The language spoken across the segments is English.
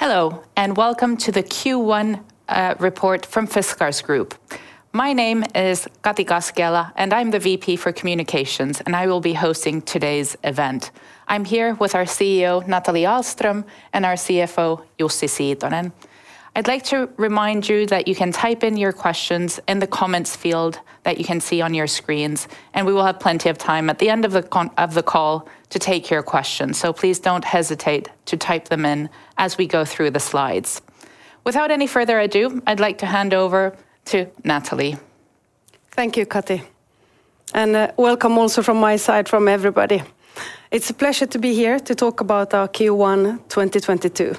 Hello, and welcome to the Q1 report from Fiskars Group. My name is Kati Kaskeala, and I'm the VP, Communications, and I will be hosting today's event. I'm here with our CEO, Nathalie Ahlström, and our CFO, Jussi Siitonen. I'd like to remind you that you can type in your questions in the comments field that you can see on your screens, and we will have plenty of time at the end of the call to take your questions. Please don't hesitate to type them in as we go through the slides. Without any further ado, I'd like to hand over to Nathalie. Thank you, Kati. Welcome also from my side to everybody. It's a pleasure to be here to talk about our Q1 2022.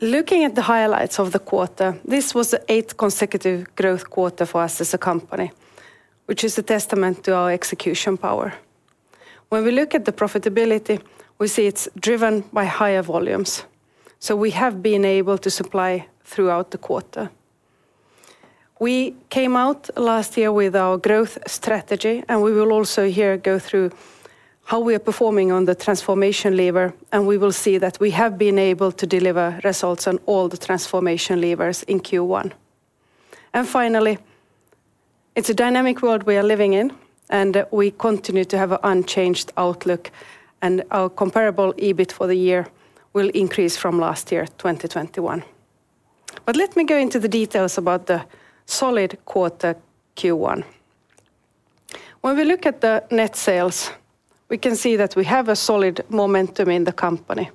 Looking at the highlights of the quarter, this was the eighth consecutive growth quarter for us as a company, which is a testament to our execution power. When we look at the profitability, we see it's driven by higher volumes, so we have been able to supply throughout the quarter. We came out last year with our growth strategy, and we will also here go through how we are performing on the transformation lever, and we will see that we have been able to deliver results on all the transformation levers in Q1. Finally, it's a dynamic world we are living in, and we continue to have an unchanged outlook, and our comparable EBIT for the year will increase from last year, 2021. Let me go into the details about the solid quarter Q1. When we look at the net sales, we can see that we have a solid momentum in the company.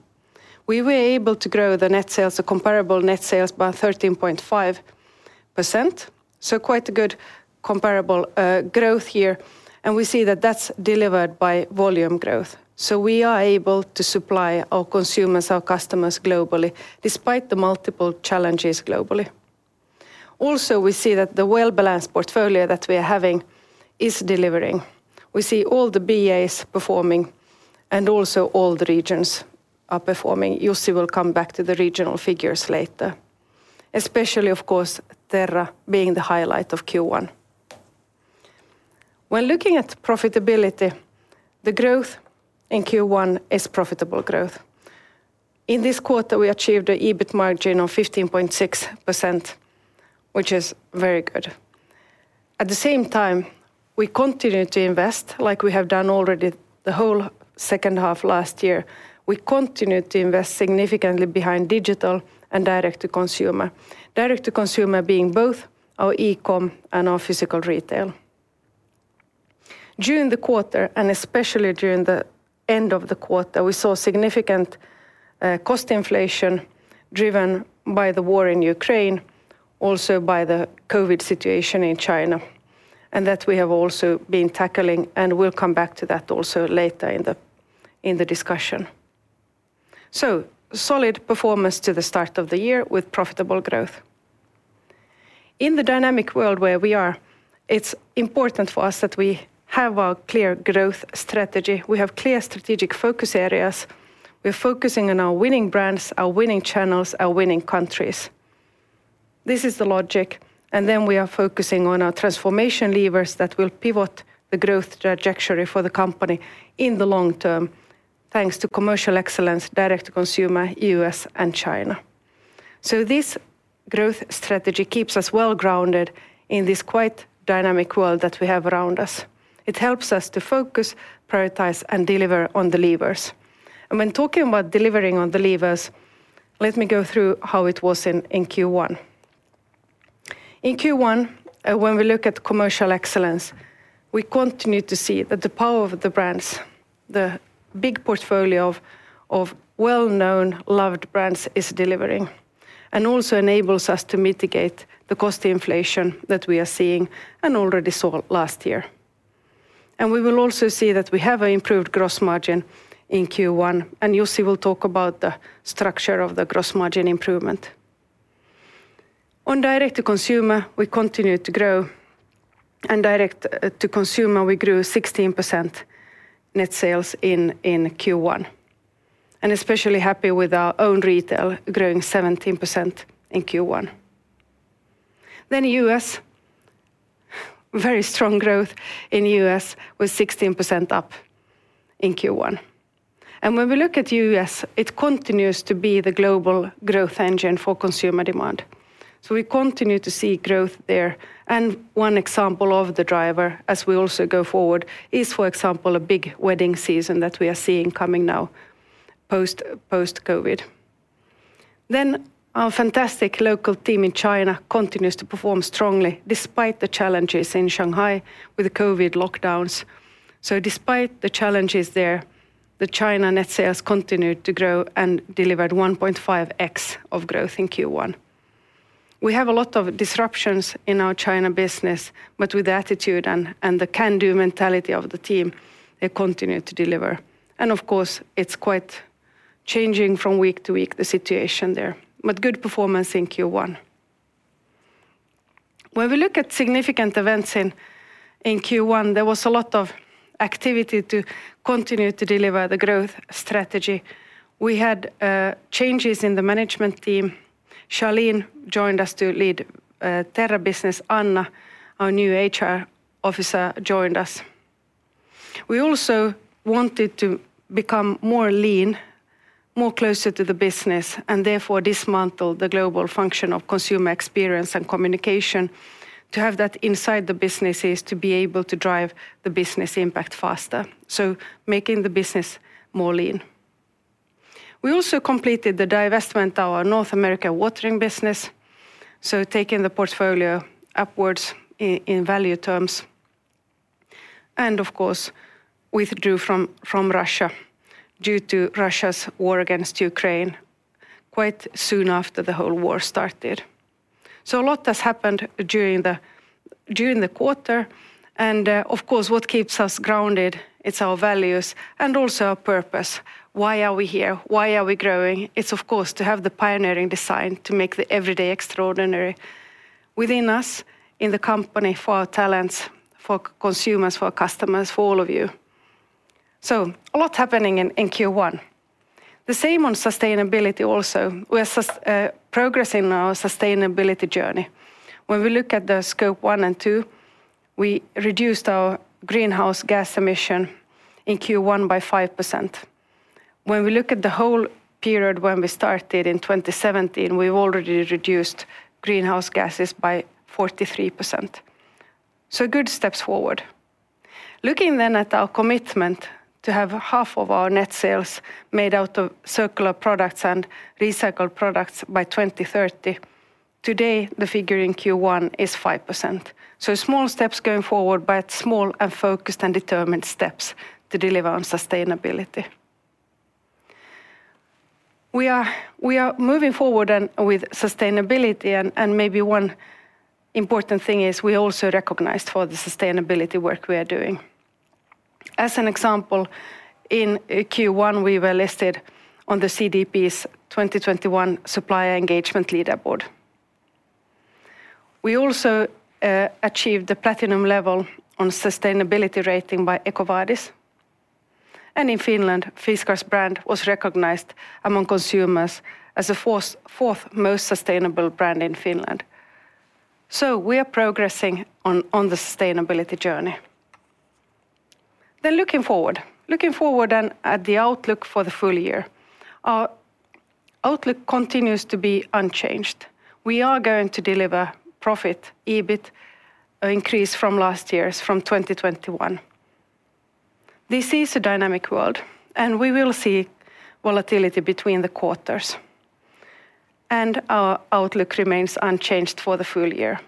We were able to grow the net sales, the comparable net sales, by 13.5%, so quite a good comparable growth here. We see that that's delivered by volume growth. We are able to supply our consumers, our customers globally, despite the multiple challenges globally. Also, we see that the well-balanced portfolio that we are having is delivering. We see all the BAs performing, and also all the regions are performing. Jussi will come back to the regional figures later. Especially, of course, Terra being the highlight of Q1. When looking at profitability, the growth in Q1 is profitable growth. In this quarter, we achieved a EBIT margin of 15.6%, which is very good. At the same time, we continue to invest like we have done already the whole second half last year. We continue to invest significantly behind digital and direct-to-consumer, direct-to-consumer being both our eCom and our physical retail. During the quarter, and especially during the end of the quarter, we saw significant cost inflation driven by the war in Ukraine, also by the COVID situation in China, and that we have also been tackling, and we'll come back to that also later in the discussion. Solid performance to the start of the year with profitable growth. In the dynamic world where we are, it's important for us that we have a clear growth strategy. We have clear strategic focus areas. We're focusing on our winning brands, our winning channels, our winning countries. This is the logic, and then we are focusing on our transformation levers that will pivot the growth trajectory for the company in the long term, thanks to commercial excellence, direct-to-consumer, U.S., and China. This growth strategy keeps us well-grounded in this quite dynamic world that we have around us. It helps us to focus, prioritize, and deliver on the levers. When talking about delivering on the levers, let me go through how it was in Q1. In Q1, when we look at commercial excellence, we continue to see that the power of the brands, the big portfolio of well-known, loved brands is delivering and also enables us to mitigate the cost inflation that we are seeing and already saw last year. We will also see that we have an improved gross margin in Q1, and Jussi will talk about the structure of the gross margin improvement. On direct-to-consumer, we continue to grow, and direct-to-consumer we grew 16% net sales in Q1, and especially happy with our own retail growing 17% in Q1. U.S., very strong growth in U.S. was 16% up in Q1. When we look at U.S., it continues to be the global growth engine for consumer demand, so we continue to see growth there. One example of the driver as we also go forward is, for example, a big wedding season that we are seeing coming now post-COVID. Our fantastic local team in China continues to perform strongly despite the challenges in Shanghai with the COVID lockdowns. Despite the challenges there, the China net sales continued to grow and delivered 1.5x of growth in Q1. We have a lot of disruptions in our China business, but with the attitude and the can-do mentality of the team, they continue to deliver. Of course, it's quite changing from week to week, the situation there, but good performance in Q1. When we look at significant events in Q1, there was a lot of activity to continue to deliver the growth strategy. We had changes in the management team. Charlene joined us to lead Terra business. Anna, our new HR officer, joined us. We also wanted to become more lean, more closer to the business, and therefore dismantle the global function of consumer experience and communication to have that inside the businesses to be able to drive the business impact faster. Making the business more lean. We also completed the divestment of our North American Watering Business, so taking the portfolio upwards in value terms, and of course withdrew from Russia due to Russia's war against Ukraine quite soon after the whole war started. A lot has happened during the quarter and of course, what keeps us grounded, it's our values and also our purpose. Why are we here? Why are we growing? It's of course to have the pioneering design to make the everyday extraordinary within us in the company for our talents, for consumers, for our customers, for all of you. A lot happening in Q1. The same on sustainability also. We are progressing our sustainability journey. When we look at the scope one and two, we reduced our greenhouse gas emission in Q1 by 5%. When we look at the whole period when we started in 2017, we've already reduced greenhouse gases by 43%, good steps forward. Looking at our commitment to have half of our net sales made out of circular products and recycled products by 2030, today the figure in Q1 is 5%. Small steps going forward, but small and focused and determined steps to deliver on sustainability. We are moving forward with sustainability, and maybe one important thing is we're also recognized for the sustainability work we are doing. As an example, in Q1, we were listed on the CDP's 2021 Supplier Engagement Leaderboard. We also achieved the platinum level on sustainability rating by EcoVadis. In Finland, Fiskars brand was recognized among consumers as the fourth most sustainable brand in Finland. We are progressing on the sustainability journey. Looking forward to the outlook for the full year, our outlook continues to be unchanged. We are going to deliver profit EBIT increase from last year's 2021. This is a dynamic world, and we will see volatility between the quarters, and our outlook remains unchanged for the full year.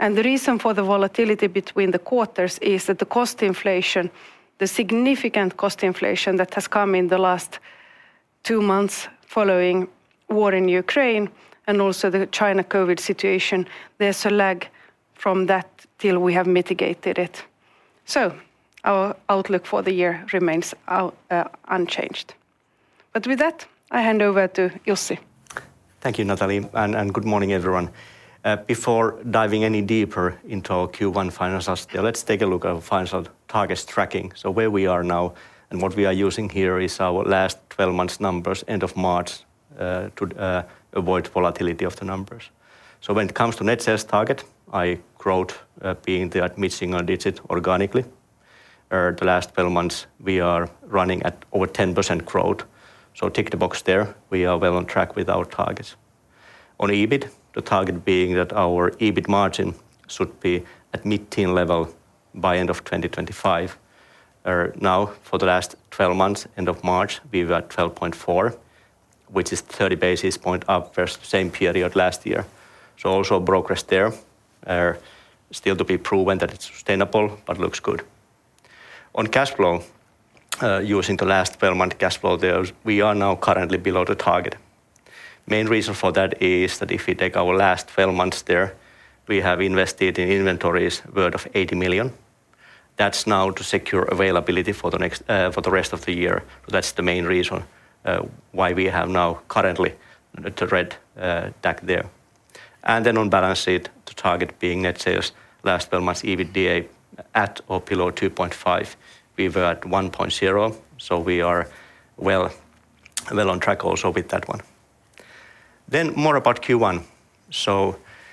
The reason for the volatility between the quarters is that the cost inflation, the significant cost inflation that has come in the last two months following war in Ukraine and also the China COVID situation, there's a lag from that till we have mitigated it. Our outlook for the year remains unchanged. With that, I hand over to Jussi. Thank you, Nathalie, and good morning, everyone. Before diving any deeper into our Q1 financials here, let's take a look at our financial targets tracking. Where we are now and what we are using here is our last 12 months numbers end of March to avoid volatility of the numbers. When it comes to net sales target, i.e. growth being that mid-single digit organically. The last 12 months, we are running at over 10% growth. Tick the box there. We are well on track with our targets. On EBIT, the target being that our EBIT margin should be at mid-teen level by end of 2025. Now for the last 12 months, end of March, we were at 12.4%, which is 30 basis points up versus same period last year. Also, progress there is still to be proven that it's sustainable, but looks good. On cash flow, using the last 12-month cash flow there, we are now currently below the target. Main reason for that is that if we take our last 12 months there, we have invested in inventories worth 80 million. That's now to secure availability for the rest of the year. That's the main reason why we have now currently the red tag there. On balance sheet, the target being net debt last 12 months EBITDA at or below 2.5. We were at 1.0, so we are well on track also with that one. More about Q1.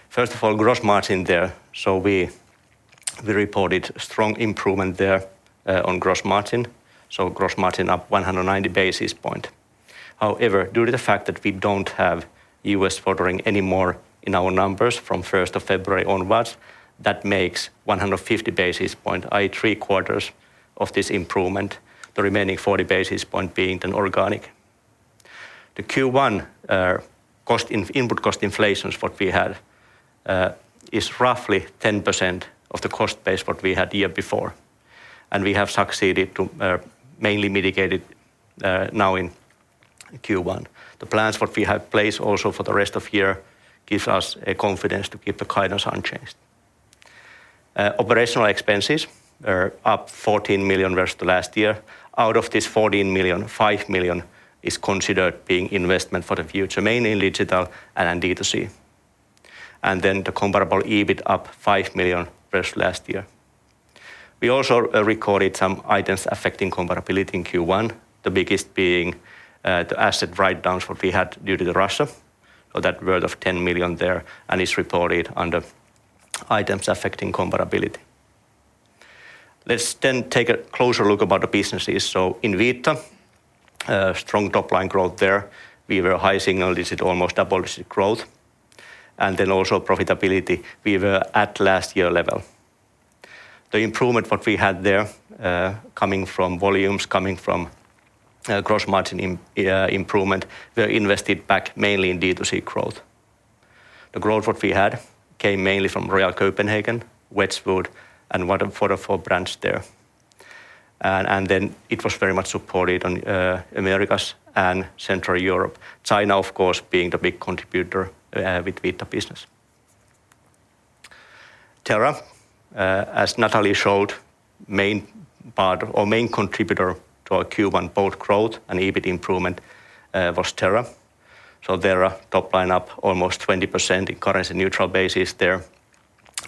First of all, gross margin there. We reported strong improvement there on gross margin. Gross margin up 190 basis points. However, due to the fact that we don't have U.S. watering anymore in our numbers from first of February onwards, that makes 100 basis points, i.e., three quarters of this improvement, the remaining 40 basis points being then organic. The Q1 input cost inflation that we had is roughly 10% of the cost base that we had year before. We have succeeded to mainly mitigate it now in Q1. The plans that we have in place also for the rest of year gives us a confidence to keep the guidance unchanged. Operational expenses are up 14 million versus the last year. Out of this 14 million, 5 million is considered being investment for the future, mainly in digital and D2C. The comparable EBIT up 5 million versus last year. We also recorded some items affecting comparability in Q1, the biggest being the asset write-downs that we had due to Russia. That's worth 10 million there and is reported under items affecting comparability. Let's then take a closer look at the businesses. In Vita, strong top-line growth there. We were high single-digit, almost double-digit growth. Also profitability, we were at last year's level. The improvement that we had there coming from volumes, coming from gross margin improvement, we reinvested back mainly in D2C growth. The growth that we had came mainly from Royal Copenhagen, Wedgwood, and Waterford brands there. It was very much supported in the Americas and Central Europe. China, of course, being the big contributor, with Vita business. Terra, as Nathalie showed, main part or main contributor to our Q1 both growth and EBIT improvement, was Terra. Terra top line up almost 20% in currency neutral basis there,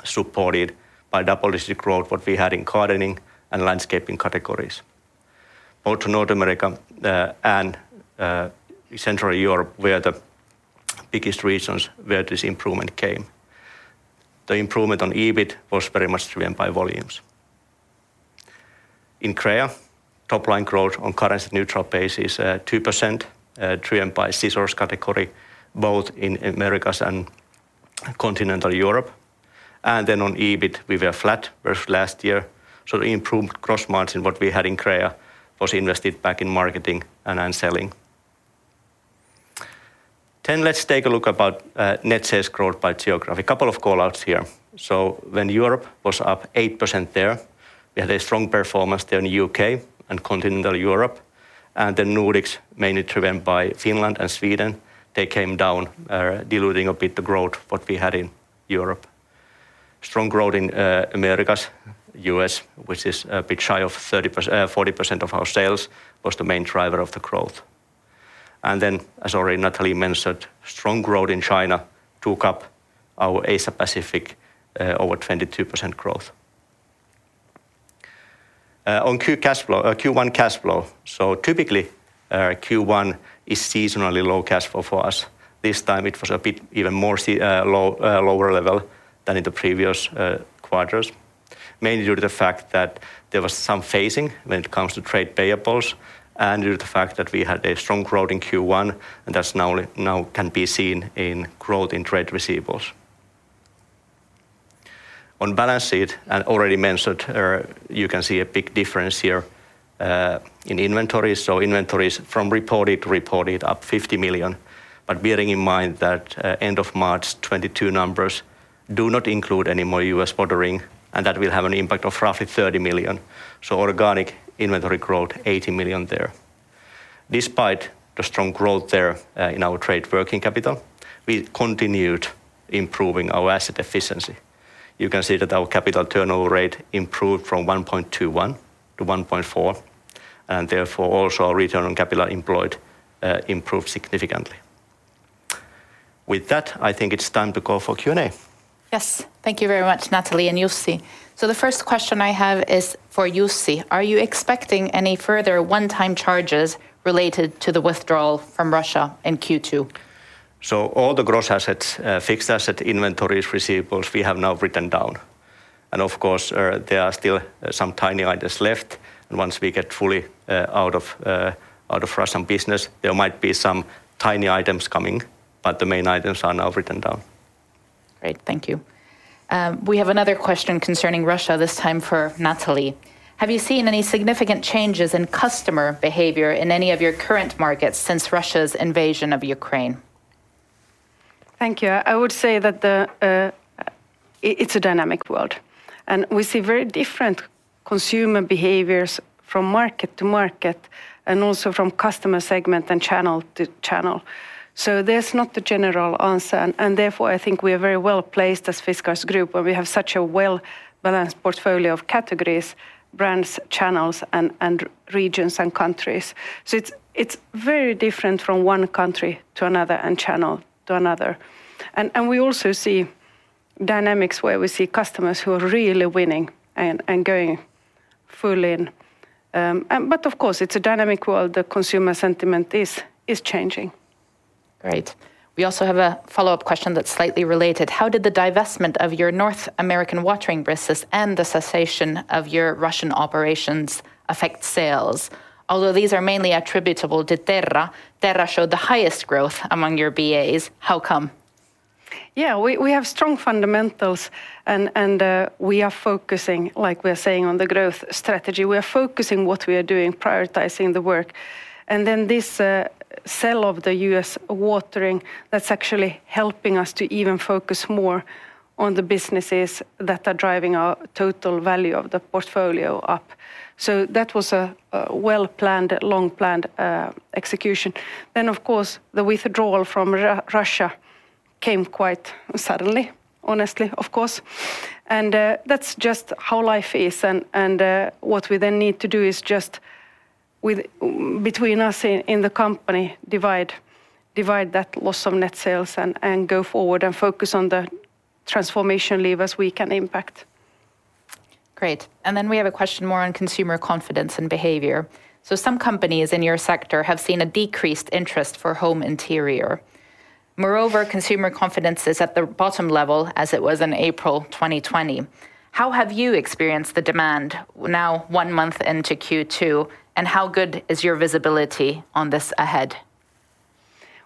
supported by double-digit growth what we had in gardening and landscaping categories. Both North America and Central Europe were the biggest regions where this improvement came. The improvement on EBIT was very much driven by volumes. In Crea, top line growth on currency neutral basis, 2%, driven by scissors category, both in Americas and Continental Europe. On EBIT, we were flat versus last year, so the improved gross margin what we had in Crea was invested back in marketing and on selling. Let's take a look at net sales growth by geography. Couple of call-outs here. When Europe was up 8% there, we had a strong performance there in the U.K. and Continental Europe. The Nordics, mainly driven by Finland and Sweden, they came down, diluting a bit the growth what we had in Europe. Strong growth in Americas, U.S., which is a bit shy of 30%-40% of our sales, was the main driver of the growth. As already Nathalie mentioned, strong growth in China took up our Asia Pacific, over 22% growth. On Q1 cash flow. Typically, Q1 is seasonally low cash flow for us. This time it was a bit even more slightly lower level than in the previous quarters, mainly due to the fact that there was some phasing when it comes to trade payables and due to the fact that we had a strong growth in Q1, and that's now can be seen in growth in trade receivables. On balance sheet, already mentioned, you can see a big difference here in inventory. Inventories from reported to reported up 50 million. Bearing in mind that end of March 2022 numbers do not include any more U.S. ordering, and that will have an impact of roughly 30 million. Organic inventory growth, 80 million there. Despite the strong growth there in our trade working capital, we continued improving our asset efficiency. You can see that our capital turnover rate improved from 1.21-1.4, and therefore also our return on capital employed improved significantly. With that, I think it's time to go for Q&A. Yes. Thank you very much, Nathalie and Jussi. The first question I have is for Jussi. Are you expecting any further one-time charges related to the withdrawal from Russia in Q2? All the gross assets, fixed asset inventories, receivables, we have now written down. Of course, there are still some tiny items left. Once we get fully out of Russian business, there might be some tiny items coming, but the main items are now written down. Great. Thank you. We have another question concerning Russia, this time for Nathalie. Have you seen any significant changes in customer behavior in any of your current markets since Russia's invasion of Ukraine? Thank you. I would say that it's a dynamic world, and we see very different consumer behaviors from market to market and also from customer segment and channel to channel. There's not a general answer, and therefore, I think we are very well-placed as Fiskars Group, where we have such a well-balanced portfolio of categories, brands, channels, and regions and countries. It's very different from one country to another and channel to another. We also see dynamics where we see customers who are really winning and going full in. But of course, it's a dynamic world. The consumer sentiment is changing. Great. We also have a follow-up question that's slightly related. How did the divestment of your North American Watering Business and the cessation of your Russian operations affect sales? Although these are mainly attributable to Terra showed the highest growth among your BAs. How come? Yeah, we have strong fundamentals and we are focusing, like we are saying, on the growth strategy. We are focusing on what we are doing, prioritizing the work. This sale of the North American Watering Business that's actually helping us to even focus more on the businesses that are driving our total value of the portfolio up. That was a well-planned, long-planned execution. The withdrawal from Russia came quite suddenly, honestly, of course. That's just how life is and what we then need to do is just, between us in the company, divide that loss of net sales and go forward and focus on the transformation levers we can impact. Great. Then we have a question more on consumer confidence and behavior. Some companies in your sector have seen a decreased interest for home interior. Moreover, consumer confidence is at the bottom level as it was in April 2020. How have you experienced the demand now one month into Q2, and how good is your visibility on this ahead?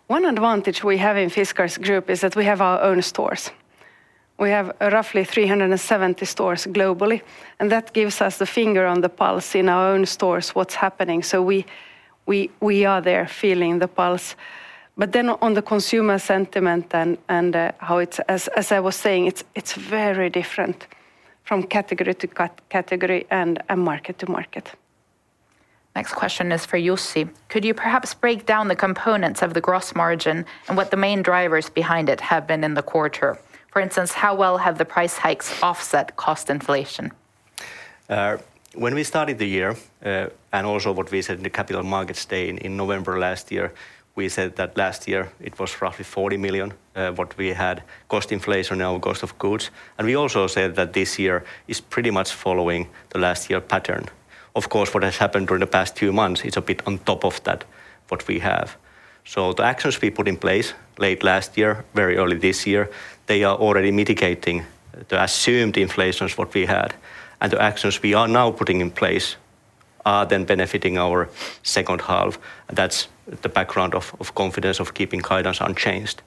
One advantage we have in Fiskars Group is that we have our own stores. We have roughly 370 stores globally, and that gives us the finger on the pulse in our own stores, what's happening, so we are there feeling the pulse. On the consumer sentiment and, as I was saying, it's very different from category-to-category and market-to-market. Next question is for Jussi. Could you perhaps break down the components of the gross margin and what the main drivers behind it have been in the quarter? For instance, how well have the price hikes offset cost inflation? When we started the year, and also what we said in the capital markets day in November last year, we said that last year it was roughly 40 million what we had cost inflation and our cost of goods. We also said that this year is pretty much following the last year pattern. Of course, what has happened during the past two months is a bit on top of that, what we have. The actions we put in place late last year, very early this year, they are already mitigating the assumed inflations what we had. The actions we are now putting in place are then benefiting our second half. That's the background of confidence of keeping guidance unchanged.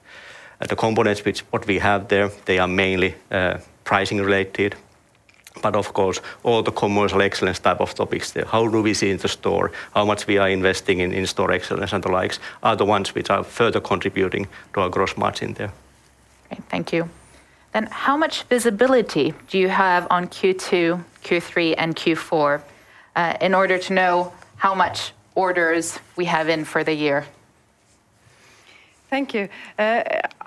The components which what we have there, they are mainly pricing related. Of course, all the commercial excellence type of topics there, how do we see in the store, how much we are investing in in-store excellence and the likes, are the ones which are further contributing to our gross margin there. Okay, thank you. How much visibility do you have on Q2, Q3, and Q4, in order to know how much orders we have in for the year? Thank you.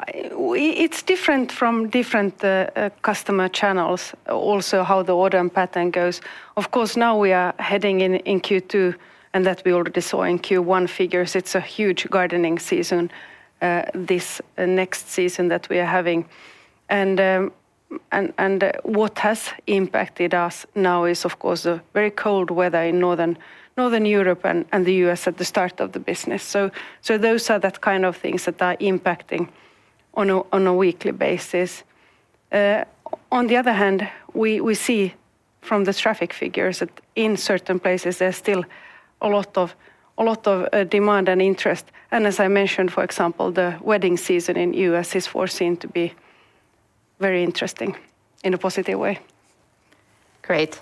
It's different from customer channels, also how the order and pattern goes. Of course, now we are heading in Q2, and that we already saw in Q1 figures. It's a huge gardening season, this next season that we are having. What has impacted us now is of course the very cold weather in Northern Europe and the U.S. at the start of the business. Those are that kind of things that are impacting on a weekly basis. On the other hand, we see from the traffic figures that in certain places there's still a lot of demand and interest. As I mentioned, for example, the wedding season in U.S. is foreseen to be very interesting in a positive way. Great.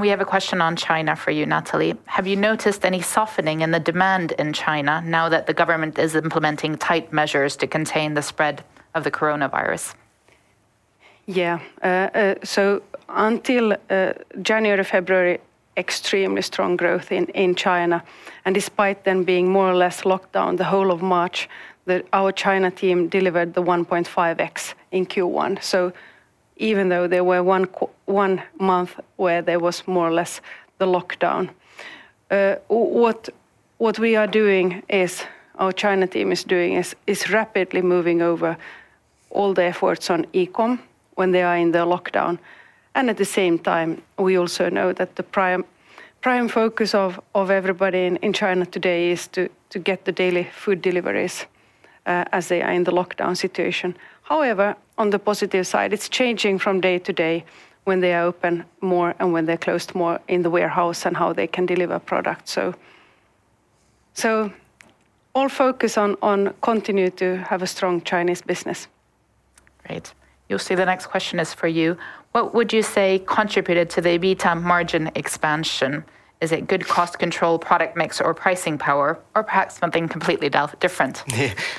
We have a question on China for you, Nathalie. Have you noticed any softening in the demand in China now that the government is implementing tight measures to contain the spread of the Coronavirus? Yeah. Until January, February, extremely strong growth in China, and despite them being more or less locked down the whole of March, our China team delivered the 1.5x in Q1. Even though there was one month where there was more or less the lockdown. What our China team is doing is rapidly moving over all the efforts on e-com when they are in the lockdown. At the same time, we also know that the prime focus of everybody in China today is to get the daily food deliveries as they are in the lockdown situation. However, on the positive side, it's changing from day to day when they are open more and when they're closed more in the warehouse and how they can deliver product. All focus on continue to have a strong Chinese business. Great. Jussi, the next question is for you. What would you say contributed to the EBITDA margin expansion? Is it good cost control, product mix, or pricing power, or perhaps something completely different?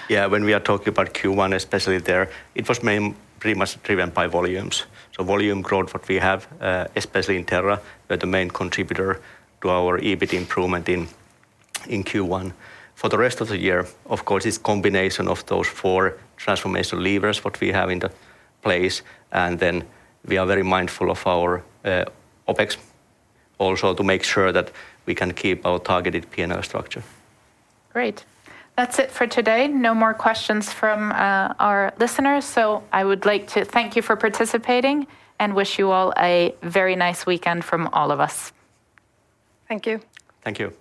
Yeah, when we are talking about Q1 especially there, it was mainly pretty much driven by volumes. Volume growth what we have, especially in Terra, were the main contributor to our EBIT improvement in Q1. For the rest of the year, of course, it's combination of those four transformation levers what we have into place, and then we are very mindful of our OpEx also to make sure that we can keep our targeted P&L structure. Great. That's it for today. No more questions from our listeners. I would like to thank you for participating and wish you all a very nice weekend from all of us. Thank you. Thank you.